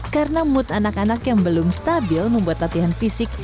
karena mood anak anak yang belum stabil membuat latihan fisik